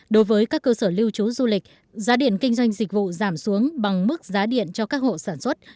đối với các cơ sở lưu trú du lịch giá điện kinh doanh dịch vụ giảm xuống bằng mức giá điện cho các hộ sản xuất